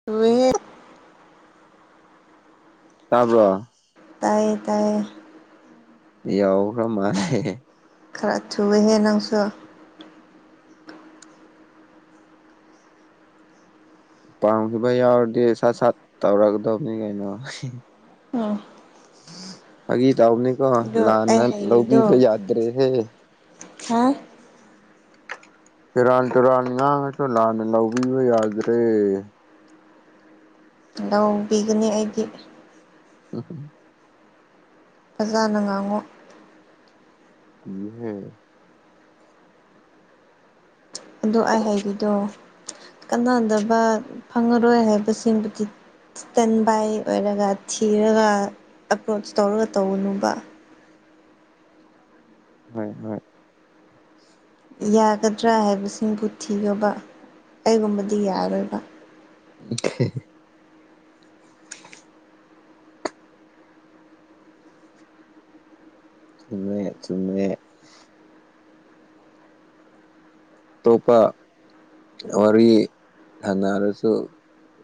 [unintelligible] ꯇꯥꯕ꯭ꯔꯣ꯫ ꯇꯥꯏꯌꯦ ꯇꯥꯏꯌꯦ ꯌꯥꯎꯈ꯭ꯔ ꯃꯥꯅꯦꯦ ꯈꯔ ꯆꯨꯏꯍꯦ ꯅꯪꯁꯨ ꯄꯥꯝꯈꯤꯕ ꯌꯥꯎꯔꯗꯤ ꯁꯥꯠ ꯁꯥꯠ ꯇꯧꯔꯛꯒꯗꯕꯅꯤ ꯀꯩꯅꯣ ꯎꯝ ꯐꯥꯒꯤ ꯇꯥꯎꯅꯤꯀꯣ ꯑꯗꯨ ꯑꯩ ꯂꯥꯟꯅ ꯍꯩꯔꯤꯗꯣ ꯂꯧꯕꯤꯕ ꯌꯥꯗ꯭ꯔꯦꯍꯦ ꯍꯥꯥ ꯏꯔꯥꯟ ꯇꯨꯔꯥꯟ ꯉꯥꯡꯉꯁꯨ ꯂꯥꯟꯅ ꯂꯧꯕꯤꯕ ꯌꯥꯗ꯭ꯔꯦ ꯂꯧꯕꯤꯒꯅꯤ ꯑꯩꯗꯤ꯫ ꯎꯝ꯫ ꯐꯖꯥꯅ ꯉꯥꯡꯉꯣ꯫ ꯏꯍꯦ꯫ ꯑꯗꯣ ꯑꯩ ꯍꯥꯏꯔꯤꯗꯣ ꯀꯥꯟꯅꯗꯕ ꯐꯪꯉꯔꯣꯏ ꯍꯥꯏꯕꯁꯤꯡꯗꯨꯗꯤ꯫ ꯏꯁꯇꯟ ꯕꯥꯏ ꯑꯣꯏꯔꯒ ꯊꯤꯔꯒ ꯑꯦꯄ꯭ꯔꯣꯆ ꯇꯧꯔꯒ ꯇꯧꯒꯅꯨꯕ꯫ ꯍꯣꯏ ꯍꯣꯏ꯫ ꯌꯥꯒꯗ꯭ꯔꯥ ꯍꯥꯏꯕꯁꯤꯡꯕꯨ ꯊꯣꯌꯣꯕ ꯑꯩꯒꯨꯝꯕꯗꯤ ꯌꯥꯔꯣꯏꯕ꯫ ꯎꯝ ꯆꯨꯝꯃꯦ ꯆꯨꯝꯃꯦ ꯑꯇꯣꯞꯄ ꯋꯥꯔꯤ ꯁꯥꯟꯅꯔꯁꯨ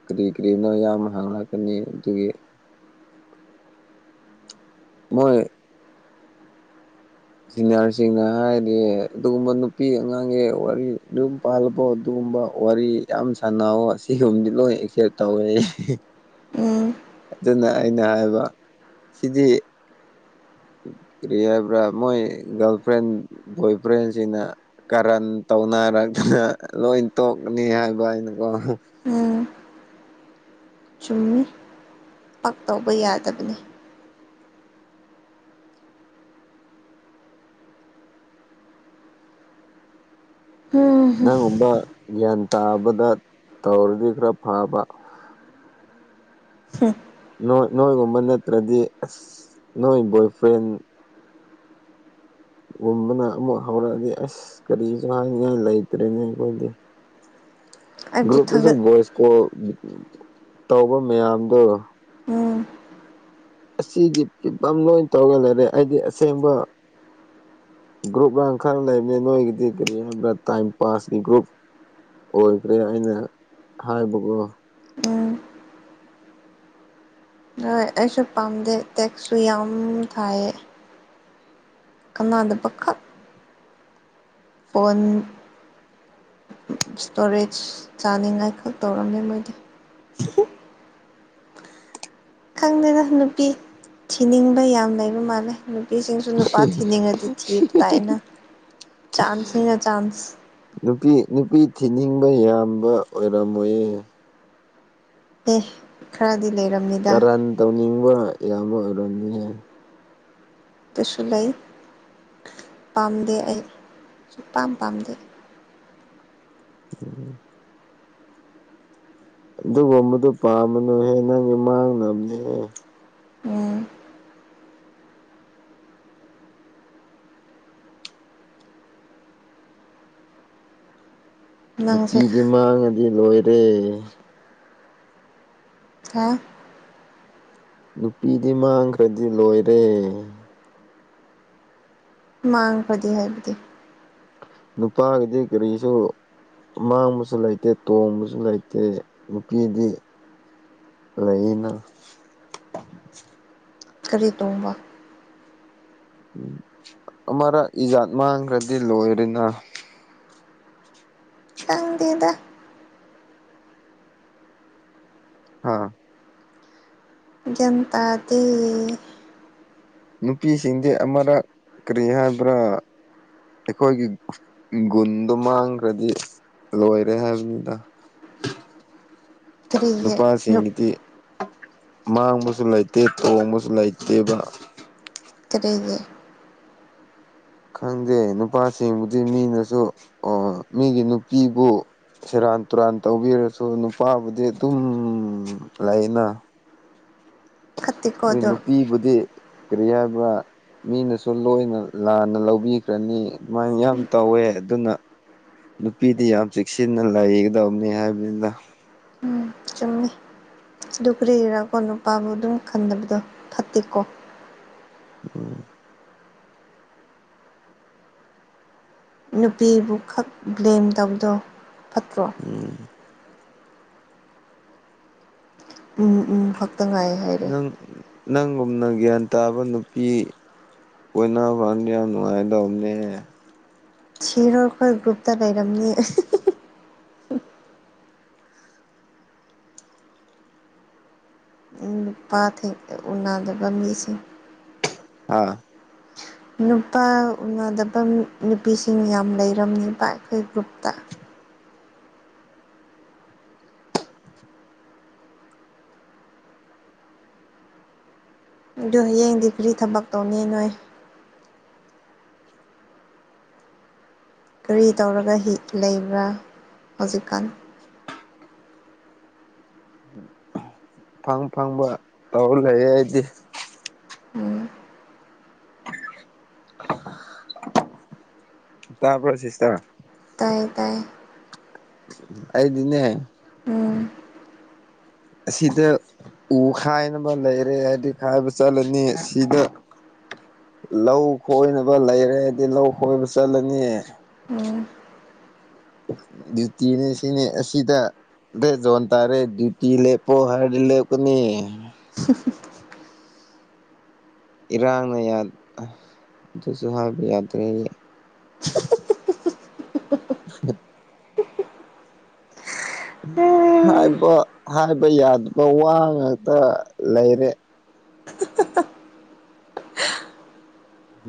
ꯀꯔꯤ ꯀꯔꯤꯅꯣ ꯌꯥꯝ ꯍꯥꯡꯉꯛꯀꯅꯤ ꯑꯗꯨꯒꯤ ꯃꯣꯏ ꯁꯤꯅꯤꯌꯥꯔꯁꯤꯡꯅ ꯍꯥꯏꯔꯗꯤ ꯑꯗꯨꯒꯨꯝꯕ ꯅꯨꯄꯤ ꯑꯉꯥꯡꯒꯤ ꯋꯥꯔꯤ ꯑꯗꯨꯝ ꯄꯥꯜꯕꯣ ꯑꯗꯨꯒꯨꯝꯕ ꯋꯥꯔꯤ ꯌꯥꯝ ꯁꯥꯟꯅꯕꯋ ꯑꯁꯤꯒꯨꯝꯕꯗꯤ ꯂꯣꯏ ꯑꯦꯛꯁꯦꯞ ꯇꯧꯋꯦ ꯎꯝ ꯑꯗꯨꯅ ꯑꯩꯅ ꯍꯥꯏꯕ ꯁꯤꯗꯤ ꯀꯔꯤ ꯍꯥꯏꯕ꯭ꯔꯥ ꯃꯣꯏ ꯒꯥꯔꯜ ꯐ꯭ꯔꯦꯟ ꯕꯣꯏ ꯐ꯭ꯔꯦꯟꯁꯤꯅ ꯀꯔꯟ ꯇꯧꯅꯔꯛꯇꯅ ꯂꯣꯏ ꯇꯣꯛꯅꯤ ꯍꯥꯏꯕ ꯑꯩꯅꯀꯣ ꯎꯝ ꯆꯨꯝꯃꯦ ꯄꯛ ꯇꯧꯕ ꯌꯥꯗꯕꯅꯤ ꯍꯝ ꯍꯝ ꯅꯪꯒꯨꯝꯕ ꯒ꯭ꯌꯥꯟ ꯇꯥꯕꯗ ꯇꯧꯔꯗꯤ ꯈꯔ ꯐꯕ ꯎꯝ ꯅꯣꯏ ꯅꯣꯏꯒꯨꯝꯕ ꯅꯠꯇ꯭ꯔꯗꯤ ꯑꯁ ꯅꯣꯏ ꯕꯣꯏꯐ꯭ꯔꯦꯟ ꯨꯝꯕꯅ ꯑꯃꯨꯛ ꯍꯧꯔꯛꯑꯗꯤ ꯑꯁ ꯀꯔꯤꯁꯨ ꯍꯥꯏꯅꯤꯡꯉꯥꯏ ꯂꯩꯇ꯭ꯔꯦꯅꯦ ꯑꯩꯈꯣꯏꯗꯤ ꯑꯩꯕꯨ ꯒ꯭ꯔꯨꯞꯇꯁꯨ ꯊꯥꯒꯠ ꯚꯣꯏꯁ ꯀꯣꯜ ꯇꯧꯕ ꯃꯌꯥꯝꯗꯣ ꯎꯝ ꯑꯁꯤꯒꯤ ꯐꯤꯕꯝ ꯂꯣꯏ ꯇꯧꯒ ꯂꯩꯔꯦ ꯍꯥꯏꯗꯤ ꯑꯁꯦꯡꯕ ꯒ꯭ꯔꯨꯞ ꯉꯥꯡ ꯈꯔ ꯂꯩꯕꯅꯤ ꯅꯣꯏꯒꯤꯗꯤ ꯀꯔꯤ ꯍꯥꯏꯕ꯭ꯔꯥ ꯇꯥꯏꯝ ꯄꯥꯁꯀꯤ ꯒ꯭ꯔꯨꯞ ꯑꯣꯏꯈ꯭ꯔꯦ ꯑꯩꯅ ꯍꯥꯏꯕꯕꯨ ꯎꯝ ꯍꯣꯏ ꯑꯩꯁꯨ ꯄꯥꯝꯗꯦ ꯇꯦꯛꯁꯨ ꯌꯥꯝ ꯊꯥꯏꯌꯦ ꯀꯅꯥꯗ ꯄꯀꯥ ꯑꯣꯟ ꯏꯁꯇꯣꯔꯦꯖ ꯆꯥꯅꯤꯡꯉꯥꯏꯈꯛ ꯇꯧꯔꯝꯃꯦ ꯃꯣꯏꯗꯤ ꯈꯪꯗꯦꯅ ꯅꯨꯄꯤ ꯊꯤꯅꯤꯡꯕ ꯌꯥꯝ ꯂꯩꯕ ꯃꯥꯜꯂꯦ ꯅꯨꯄꯤꯁꯤꯡꯁꯨ ꯅꯨꯄꯥ ꯊꯤꯅꯤꯡꯉꯗꯤ ꯊꯤꯕ ꯇꯥꯏꯅ ꯆꯥꯟꯁꯅꯤꯅ ꯆꯥꯟꯁ ꯅꯨꯄꯤ ꯅꯨꯄꯤ ꯊꯤꯅꯤꯡꯕ ꯌꯥꯝꯕ ꯑꯣꯏꯔꯝꯃꯣꯏꯌꯦ ꯑꯦ ꯈꯔꯗꯤ ꯂꯩꯔꯝꯅꯤ ꯀꯔꯥꯟ ꯇꯧꯅꯤꯡꯕ ꯑꯌꯥꯝꯕ ꯑꯣꯏꯔꯝꯅꯤꯍꯦ ꯇꯁꯨ ꯂꯩ ꯄꯥꯝꯗꯦ ꯑꯩ ꯁꯨꯛꯄꯥꯝ ꯄꯥꯝꯗꯦ ꯎꯝ [inaudible] ꯑꯗꯨꯒꯨꯝꯕꯗꯨ ꯄꯥꯝꯃꯨꯅꯨꯍꯦ ꯅꯪꯒꯤ ꯃꯥꯡꯅꯕꯅꯤꯍꯦ ꯎꯝ ꯅꯪꯁꯦ ꯅꯨꯄꯤꯗꯤ ꯃꯥꯡꯉꯗꯤ ꯂꯣꯏꯔꯦ ꯍꯥ ꯅꯨꯄꯤꯗꯤ ꯃꯥꯡꯈ꯭ꯔꯗꯤ ꯂꯣꯏꯔꯦ ꯃꯥꯡꯈ꯭ꯔꯗꯤ ꯍꯥꯏꯕꯗꯤ ꯅꯨꯄꯥꯒꯤꯗꯤ ꯀꯔꯤꯁꯨ ꯑꯃꯥꯡꯕꯁꯨ ꯂꯩꯇꯦ ꯇꯣꯡꯕꯁꯨ ꯂꯩꯇꯦ ꯅꯨꯄꯤꯗꯤ ꯂꯩꯅ ꯀꯔꯤ ꯇꯣꯡꯕ ꯎꯝ ꯑꯃꯔꯛ ꯏꯖꯥꯠ ꯃꯥꯡꯈ꯭ꯔꯗꯤ ꯂꯣꯏꯔꯦꯅ ꯃꯇꯇꯥꯡꯗꯗ ꯍꯥꯥ ꯟꯇꯥꯗꯤ ꯅꯨꯄꯤꯁꯤꯡꯗꯤ ꯑꯃꯔꯛ ꯀꯔꯤ ꯍꯥꯏꯕ꯭ꯔꯥ ꯑꯩꯈꯣꯏꯒꯤ ꯒꯨꯟꯗꯣ ꯃꯥꯡꯈ꯭ꯔꯗꯤ ꯂꯣꯏꯔꯦ ꯍꯥꯏꯕꯅꯤꯗ ꯀꯔꯤꯒꯤ ꯅꯨꯞ ꯅꯨꯄꯥꯁꯤꯡꯒꯤꯗꯤ ꯃꯥꯡꯕꯁꯨ ꯂꯩꯇꯦ ꯇꯣꯡꯕꯁꯨ ꯂꯩꯇꯦꯕ ꯀꯔꯤꯒꯤ ꯈꯪꯗꯦ ꯅꯨꯄꯥꯁꯤꯡꯕꯨꯗꯤ ꯃꯤꯅꯁꯨ ꯑꯣ ꯃꯤꯒꯤ ꯅꯨꯄꯤꯕꯨ ꯁꯦꯔꯥꯟ ꯇꯨꯔꯥꯟ ꯇꯧꯕꯤꯔꯁꯨ ꯅꯨꯄꯥꯕꯨꯗꯤ ꯑꯗꯨꯝ ꯂꯩꯅ ꯐꯠꯇꯦꯀꯣ ꯅꯣꯏ ꯑꯗꯨꯝ ꯅꯨꯄꯤꯕꯨꯗꯤ ꯀꯔꯤ ꯍꯥꯏꯕ ꯃꯤꯅꯁꯨ ꯂꯣꯏꯅ ꯂꯥꯟꯅ ꯂꯧꯕꯤꯈ꯭ꯔꯅꯤ ꯑꯗꯨꯃꯥꯏꯅ ꯌꯥꯝ ꯇꯧꯋꯦ ꯑꯗꯨꯅ ꯅꯨꯄꯤꯗꯤ ꯌꯥꯝ ꯆꯦꯛꯁꯤꯟꯅ ꯂꯩꯒꯗꯕꯅꯤ ꯍꯥꯏꯕꯅꯤꯗ ꯆꯨꯝꯃꯦ ꯑꯗꯨ ꯀꯔꯤꯒꯤꯔ ꯅꯨꯄꯥꯕꯨ ꯑꯗꯨꯝ ꯈꯟꯗꯕꯗꯣ ꯐꯠꯇꯦꯀꯣ ꯎꯝ ꯅꯨꯄꯤꯕꯨ ꯈꯛ ꯕ꯭ꯂꯦꯝ ꯇꯧꯕꯗꯣ ꯐꯠꯇ꯭ꯔꯣ ꯎꯝ ꯎꯝ ꯎꯝ ꯈꯛꯇ ꯉꯥꯏꯌꯦ ꯅꯪ ꯅꯪꯒꯨꯝꯅ ꯒ꯭ꯌꯥꯟ ꯇꯥꯕ ꯅꯨꯄꯤ ꯀꯣꯏꯅꯥꯕ ꯒꯥꯟꯗꯗꯤ ꯌꯥꯝ ꯅꯨꯡꯉꯥꯏꯗꯕꯅꯦꯍꯦ ꯊꯤꯔꯣ ꯈꯣꯏ ꯒ꯭ꯔꯨꯞꯇ ꯂꯩꯔꯝꯅꯤ ꯅꯨꯄꯥ ꯊꯦꯡ ꯎꯅꯥꯗꯕ ꯃꯤꯁꯤꯡ ꯑꯥ ꯅꯨꯄꯥ ꯎꯅꯗꯕ ꯅꯨꯄꯤꯁꯤꯡ ꯌꯥꯝ ꯂꯩꯔꯝꯅꯤꯕ ꯑꯩꯈꯣꯏ ꯒ꯭ꯔꯨꯞꯇ ꯑꯗꯣ ꯍꯌꯦꯡꯗꯤ ꯀꯔꯤ ꯊꯕꯛ ꯇꯧꯅꯤ ꯅꯣꯏ ꯀꯔꯤ ꯇꯧꯔꯒ ꯍꯤ ꯂꯩꯕ꯭ꯔꯥ ꯍꯧꯖꯤꯛꯀꯥꯟ ꯑꯐꯪ ꯑꯐꯪꯕ ꯇꯧꯔ ꯂꯩꯌꯦ ꯑꯩꯗꯤ ꯎꯝ ꯇꯥꯕꯔꯣ ꯁꯤꯁꯇꯔ ꯇꯥꯏꯌꯦ ꯇꯥꯏꯌꯦ ꯑꯩꯗꯤꯅꯦ ꯎꯝ ꯑꯁꯤꯗ ꯎ ꯈꯥꯏꯅꯕ ꯂꯩꯔꯦ ꯍꯥꯏꯕꯗꯤ ꯈꯥꯏꯕ ꯆꯠꯂꯅꯤ ꯁꯤꯗ ꯂꯧ ꯈꯣꯏꯅꯕ ꯂꯩꯔꯦ ꯑꯩꯗꯤ ꯂꯧ ꯈꯣꯏꯕ ꯆꯠꯂꯅꯤ ꯎꯝ ꯗ꯭ꯌꯨꯇꯤꯅꯦ ꯁꯤꯅꯦ ꯑꯁꯤꯗ ꯕꯦꯠ ꯖꯣꯟ ꯇꯥꯔꯦ ꯗꯤꯌꯨꯇꯤ ꯂꯦꯞꯄꯣ ꯍꯥꯢꯔꯗꯤ ꯂꯦꯞꯀꯅꯤ [inaudible] ꯏꯔꯥꯡꯅ ꯌꯥꯗꯦ ꯑꯗꯨꯁꯨ ꯍꯥꯏꯕ ꯌꯥꯗ꯭ꯔꯦ ꯎ [inaudible] ꯍꯥꯏꯕ ꯍꯥꯏꯕ ꯌꯥꯗꯕ ꯋꯥ ꯉꯥꯛꯇ ꯂꯩꯔꯦ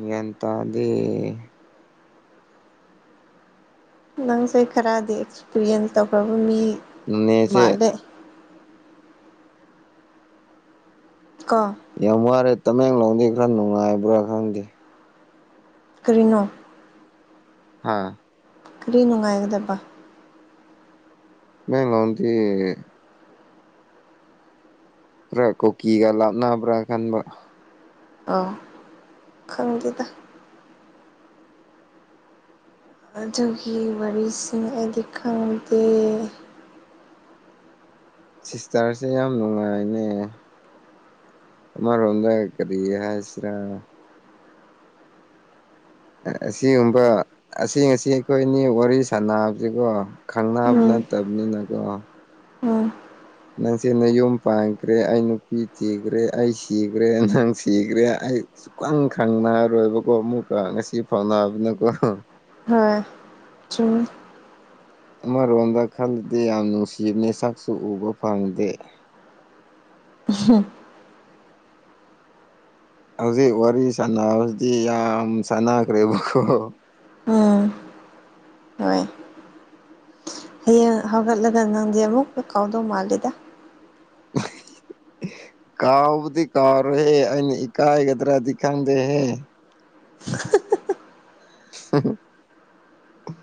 ꯌꯦꯇꯥꯗꯤ ꯅꯪꯁꯦ ꯈꯔꯗꯤ ꯑꯦꯛꯁꯄꯤꯔꯤꯌꯦꯟꯁ ꯇꯧꯈ꯭ꯔꯕ ꯃꯤ ꯅꯦꯆꯦ ꯃꯥꯜꯂꯦ ꯀ ꯌꯥꯝ ꯋꯥꯔꯦ ꯇꯃꯦꯡꯂꯣꯡꯗꯤ ꯈꯔ ꯅꯨꯡꯉꯥꯏꯕ꯭ꯔꯥ ꯈꯪꯗꯦ ꯀꯔꯤꯅꯣ ꯍꯥꯥ ꯀꯔꯤ ꯅꯨꯡꯉꯥꯏꯒꯗꯕ ꯃꯉꯥꯎꯗꯤ [inaudible] ꯈꯔ ꯀꯣꯀꯤꯒ ꯂꯥꯞꯅꯕ꯭ꯔꯥ ꯈꯟꯕ ꯑꯥ ꯈꯪꯗꯦꯗ ꯑꯗꯨꯒꯤ ꯋꯥꯔꯤꯁꯤ ꯑꯩꯗꯤ ꯈꯪꯗꯦ ꯁꯤꯁꯇꯔꯁꯦ ꯌꯥꯝ ꯅꯨꯡꯉꯥꯏꯅꯦ ꯑꯃꯔꯣꯝꯗ ꯀꯔꯤ ꯍꯥꯏꯁꯤꯔꯥ ꯑꯁꯤꯒꯨꯝꯕ ꯑꯁꯤ ꯉꯁꯤ ꯑꯩꯈꯣꯏꯅꯤ ꯋꯥꯔꯤ ꯁꯥꯟꯁꯤꯀꯣ ꯈꯪꯅꯕ ꯎꯝ ꯅꯠꯇꯕꯅꯤꯅꯀꯣ ꯎꯝ ꯅꯪꯁꯦꯅ ꯌꯨꯝ ꯄꯥꯟꯈ꯭ꯔꯦ ꯑꯩ ꯅꯨꯄꯤ ꯊꯤꯈ꯭ꯔꯦ ꯑꯩ ꯁꯤꯈ꯭ꯔꯦ ꯅꯪ ꯁꯤꯈ꯭ꯔꯦ ꯑꯩ ꯁꯨꯛꯈꯪ ꯈꯪꯅꯔꯣꯏꯕꯀꯣ ꯑꯃꯨꯛꯀ ꯉꯁꯤ ꯐꯥꯎꯅꯕꯅꯀꯣ ꯍ ꯆꯨꯝ ꯑꯃꯔꯣꯝꯗ ꯈꯜꯂꯗꯤ ꯌꯥꯝ ꯅꯨꯡꯁꯤꯕꯅꯦ ꯁꯛꯁꯨ ꯎꯕ ꯐꯪꯗꯦ ꯎ ꯍꯧꯖꯤꯛ ꯋꯥꯔꯤ ꯁꯥꯟꯅꯕꯁꯤꯗꯤ ꯌꯥꯝ ꯁꯥꯟꯅꯈ꯭ꯔꯦꯕꯀꯣ ꯎꯝ ꯍꯣꯏ ꯍꯌꯦꯡ ꯍꯧꯒꯠꯂꯒ ꯅꯪꯗꯤ ꯑꯃꯨꯛꯛꯇ ꯀꯥꯎꯗꯧ ꯃꯥꯂꯦꯗ ꯀꯥꯎꯕꯗꯤ ꯀꯥꯔꯦ ꯑꯩꯅ ꯏꯀꯥꯒꯗ꯭ꯔꯥꯗꯤ ꯈꯪꯗꯦ ꯍꯦ [inaudible]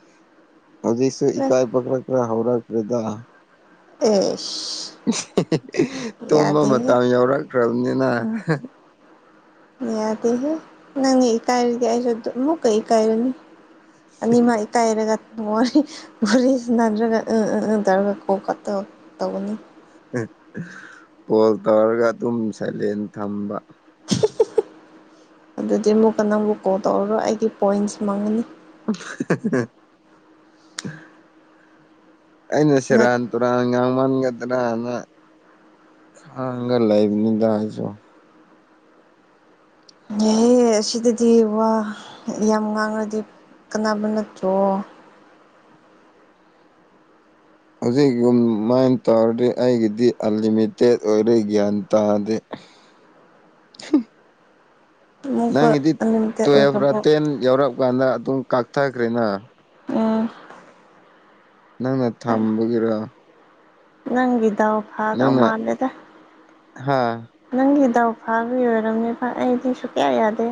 ꯍꯧꯖꯤꯛꯁꯨ ꯏꯀꯥꯏ ꯄꯈꯂꯛꯈ꯭ꯔ ꯍꯧꯔꯛꯈ꯭ꯔꯦꯗ ꯑꯦ ꯇꯨꯝꯕ ꯃꯇꯝ ꯌꯥꯎꯔꯈ꯭ꯔꯕꯅꯤꯅ ꯅꯪ ꯀꯥꯏꯔꯗꯤ ꯃꯨꯛ ꯀꯥꯏꯔꯅꯤ ꯅꯤꯡꯃ ꯀꯥꯏꯔꯒ ꯋꯥꯔꯤ ꯁꯤꯟꯅꯗꯔꯒ ꯎꯊꯧꯔꯒ ꯀꯣꯛ ꯈꯣꯠꯇ ꯇꯧꯒꯅꯤ ꯀꯣꯜ ꯇꯧꯔꯒ ꯑꯗꯨꯝ ꯁꯥꯏꯂꯦꯟ ꯊꯝꯕ ꯑꯗꯨꯗꯤ ꯑꯃꯨꯛꯀ ꯅꯪꯕꯨ ꯀꯣꯜ ꯇꯧꯔꯔꯣ ꯑꯩꯒꯤ ꯄꯣꯏꯟꯁ ꯃꯥꯡꯉꯅꯤ ꯑꯩꯅ ꯅꯠ ꯁꯔꯥꯟ ꯇꯨꯔꯥꯟ ꯉꯥꯡꯃꯟꯒꯗ꯭ꯔꯥꯅ ꯍꯥꯡꯒ ꯂꯩꯕꯅꯤꯗ ꯑꯩꯁꯨ ꯑꯦ ꯑꯁꯤꯗꯗꯤ ꯋꯥ ꯌꯥꯝ ꯉꯥꯡꯉꯗꯤ ꯀꯅꯥꯅꯕ ꯅꯠꯇ꯭ꯔꯣ ꯍꯧꯖꯤꯛ ꯌ ꯃꯥꯏꯅ ꯇꯧꯔꯗꯤ ꯑꯩꯒꯤꯗꯤ ꯑꯟꯂꯤꯃꯤꯇꯦꯠ ꯑꯣꯏꯔꯦ ꯒ꯭ꯌꯥꯟ ꯇꯥꯗꯦ ꯑꯃꯨꯛꯀ ꯅꯪꯒꯤꯗꯤ ꯑꯟꯂꯤꯃꯤꯇꯦꯠ ꯇꯨꯌꯦꯦꯜꯐ ꯑꯣꯏꯈ꯭ꯔꯕꯣ ꯇꯦꯟ ꯌꯥꯎꯔꯛꯑ ꯀꯥꯟꯗ ꯑꯗꯨꯝ ꯀꯛꯊꯈ꯭ꯔꯦꯅ ꯎꯝ ꯅꯪꯅ ꯊꯝꯕꯒꯤꯔꯣ ꯅꯪꯗꯕ ꯐꯥꯗꯎ ꯅꯪꯅ ꯃꯥꯔꯂꯗ ꯍꯥ ꯅꯪꯒꯤ ꯗꯥꯎ ꯐꯥꯕ ꯑꯣꯏꯔꯕꯅꯦꯕ ꯑꯩꯗꯤ ꯁꯨ ꯀꯌꯥ ꯌꯥꯗꯦ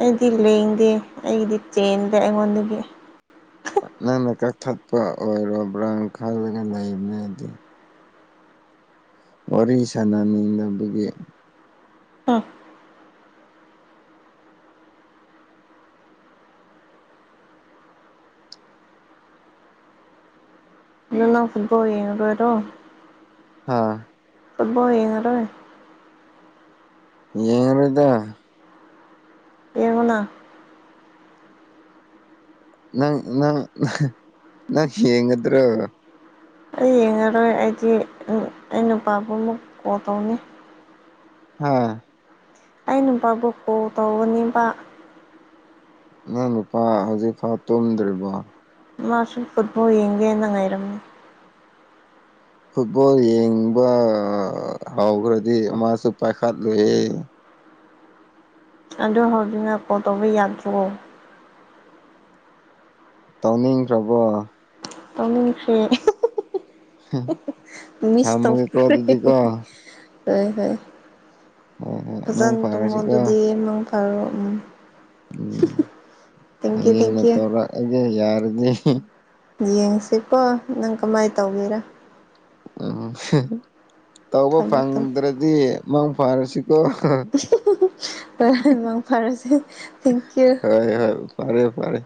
ꯑꯩꯗꯤ ꯂꯦꯡꯗꯦ ꯑꯩꯒꯤꯗꯤ ꯆꯦꯟꯗꯦ ꯑꯩꯉꯣꯟꯗꯨꯗꯒꯤ ꯅꯟꯅ ꯀꯛꯊꯠꯄ ꯑꯣꯏꯔꯣ ꯕ꯭ꯔꯥꯎꯟ ꯈꯥꯜꯂꯒ ꯂꯩꯕꯅꯦꯗꯤ ꯋꯥꯔꯤ ꯁꯅꯅꯤꯡꯅꯕꯒꯤ ꯍꯝ ꯖꯅ ꯐꯨꯠꯕꯣ ꯍꯦꯒꯣ ꯑ ꯑꯕꯣꯉꯔꯦ ꯌꯦꯡꯔꯗ ꯌꯦꯉꯅ ꯅꯪ ꯅꯪ ꯅꯪ ꯌꯦꯦꯟꯒꯗ꯭ꯔꯣ ꯑꯩ ꯌꯦꯡꯉꯔꯣꯏ ꯑꯩꯗꯤ ꯑꯩ ꯅꯨꯄꯥꯕꯨꯃꯨꯛ ꯀꯣꯜ ꯇꯧꯅꯤ ꯍꯥ ꯑ ꯅꯨꯄꯥꯕꯨ ꯀꯣꯜ ꯇꯧꯒꯅꯤꯕ ꯅꯪ ꯅꯨꯄꯥ ꯍꯧꯖꯤꯛꯐꯥꯎ ꯇꯨꯝꯗ꯭ꯔꯤꯕꯣ ꯃꯥꯁꯦꯜ ꯐꯨꯠꯕꯣꯜ ꯌꯦꯡꯦꯅ ꯉꯥꯏꯔꯝꯅꯤ ꯐꯨꯠꯕꯣꯜ ꯌꯦꯡꯕ ꯍꯧꯈ꯭ꯔꯗꯤ ꯃꯥꯁꯨ ꯄꯥꯏꯈꯠꯂꯨꯏꯦ ꯑꯗꯨ ꯍꯧꯖꯤꯛꯅ ꯀꯣꯜ ꯇꯧꯕ ꯌꯥꯗ꯭ꯔꯣ ꯇꯧꯅꯤꯡꯈ꯭ꯔꯕꯣ ꯑꯣꯃꯤꯁꯤ ꯍ ꯃꯤꯁ ꯇ ꯍ ꯍꯣꯏ ꯍꯣꯏ ꯍꯣꯏ ꯃꯪ ꯐꯖꯅ ꯇꯨꯝꯃꯣ ꯐꯔꯁꯤꯀꯣ ꯑꯗꯨꯗꯤ ꯃꯪ ꯐꯔꯣ ꯎꯝ ꯎꯝ ꯊꯦꯡꯀ꯭ꯌꯨ ꯍꯌꯦꯡꯅ ꯊꯦꯡꯀ꯭ꯌꯨ ꯇꯧꯔꯛꯑꯒꯦ ꯌꯥꯔꯗꯤ ꯌꯦꯡꯁꯤꯀꯣ ꯅꯪ ꯀꯃꯥꯏꯅ ꯇꯧꯒꯦꯔꯥ ꯎꯝ ꯇꯧꯕ ꯊꯝꯃꯣ ꯊꯝꯃꯣ ꯐꯪꯗ꯭ꯔꯗꯤ ꯃꯪ ꯐꯥꯔꯁꯤꯀꯣ ꯍꯣꯏꯦꯟ ꯃꯥꯡ ꯐꯥꯔꯁꯦ ꯊꯦꯡꯀ꯭ꯌꯨ ꯍ ꯍꯣꯏ ꯐꯥꯔꯦ ꯐꯔꯦ